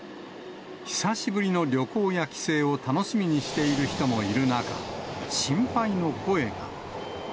久しぶりの旅行や帰省を楽しみにしている人もいる中、心配の声が。